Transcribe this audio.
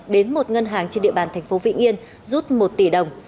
đến một ngân hàng trên địa bàn thành phố vĩnh yên rút một tỷ đồng